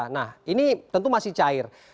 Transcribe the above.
nah ini tentu masih cair